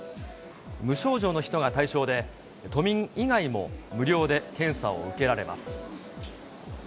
無症状の人が対象で、都民以外も無料で検査を受けられます。